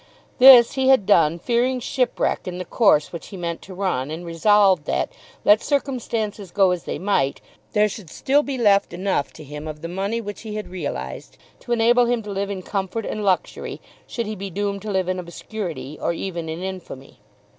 This he had done fearing shipwreck in the course which he meant to run, and resolved that, let circumstances go as they might, there should still be left enough to him of the money which he had realised to enable him to live in comfort and luxury, should he be doomed to live in obscurity, or even in infamy.